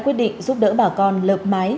quyết định giúp đỡ bà con lược mái